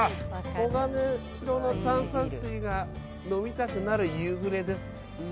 黄金色の炭酸水が飲みたくなる夕暮れです。